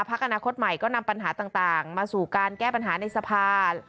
ที่ผ่านมาพักอนาคตใหม่ก็นำปัญหาต่างมาสู่การแก้ปัญหาในสภา